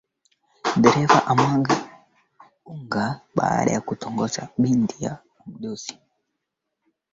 Jacob matata alimuangalia mtaalmu wa ufundi kwa mshangao lakini mzee huyo hakuonyesha kujali